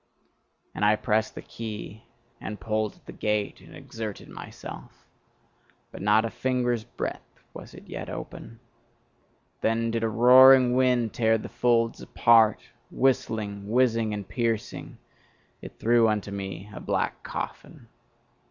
And I pressed the key, and pulled at the gate, and exerted myself. But not a finger's breadth was it yet open: Then did a roaring wind tear the folds apart: whistling, whizzing, and piercing, it threw unto me a black coffin.